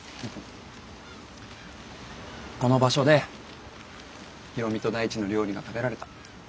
この場所で大海と大地の料理が食べられた。